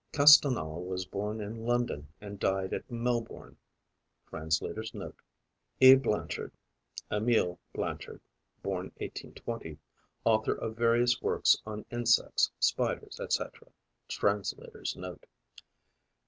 Castelnau was born in London and died at Melbourne. Translator's Note.), E. Blanchard (Emile Blanchard (born 1820), author of various works on insects, Spiders, etc. Translator's Note.)